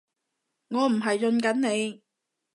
我唔係潤緊你